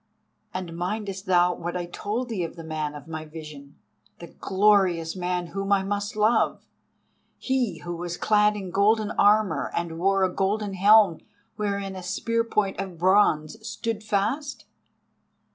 "And mindest thou what I told thee of the man of my vision—the glorious man whom I must love, he who was clad in golden armour and wore a golden helm wherein a spear point of bronze stood fast?"